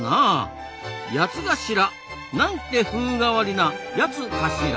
ヤツガシラなんて風変わりなやつかしら！